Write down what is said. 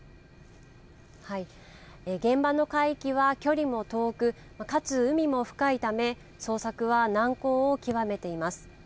現場の海域は距離も遠くかつ、海も深いため捜索は難航をきわめています。